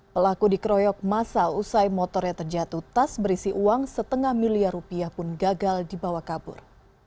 pelaku dikeroyok masa usai motornya terjatuh tas berisi uang setengah miliar rupiah pun gagal dibawa kabur